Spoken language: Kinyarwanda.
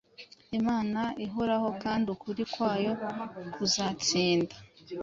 Imana ihoraho kandi ukuri kwayo kuzatsinda.